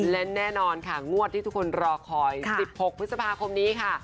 และแน่นอนค่ะงวดที่ทุกคนรอคอย๑๖พฤษภาคมนี้ค่ะ